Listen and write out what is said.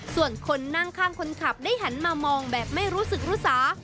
ส่วนคนนั่งข้างคนขับได้หันมามองแบบไม่รู้สึกรู้สา